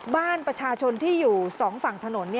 บ้านประชาชนที่อยู่สองฝั่งถนน